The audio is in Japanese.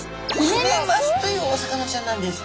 ヒメマスというお魚ちゃんなんです！